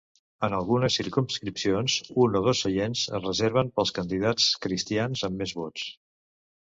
En algunes circumscripcions, un o dos seients es reserven pels candidats cristians amb més vots.